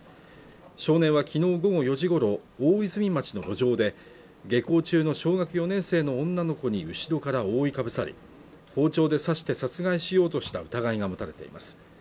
少年はきのう午後４時ごろ大泉町の路上で下校中の小学４年生の女の子に後ろから覆いかぶさり包丁で刺して殺害しようとした疑いが持たれています